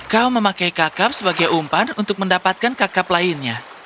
kau memakai kakap sebagai umpan untuk mendapatkan kakap lainnya